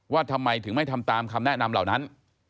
ว่าทำไมถึงไม่ทำตามคำแนะนำเหล่านั้น